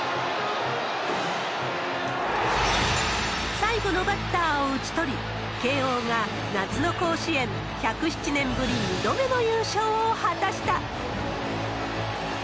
最後のバッターを打ち取り、慶応が夏の甲子園１０７年ぶり２度目の優勝を果たした。